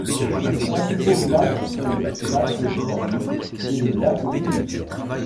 Les principaux lacs sont le lac Glasier et le lac Unique.